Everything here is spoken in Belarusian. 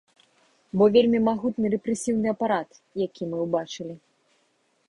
Бо вельмі магутны рэпрэсіўны апарат, які мы ўбачылі.